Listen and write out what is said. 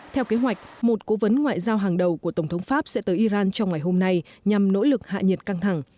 theo kế hoạch một cố vấn ngoại giao hàng đầu của tổng thống pháp sẽ tới iran trong ngày hôm nay nhằm nỗ lực hạ nhiệt căng thẳng